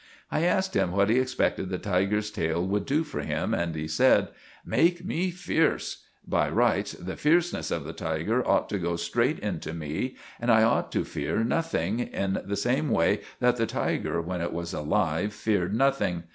I asked him what he expected the tiger's tail would do for him, and he said, "Make me fierce. By rights the fierceness of the tiger ought to go straight into me, and I ought to fear nothing, in the same way that the tiger when it was alive feared nothing.